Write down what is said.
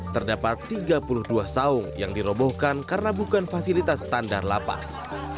terdapat tiga puluh dua saung yang dirobohkan karena bukan fasilitas standar lapas